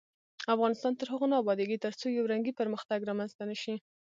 افغانستان تر هغو نه ابادیږي، ترڅو یو رنګی پرمختګ رامنځته نشي.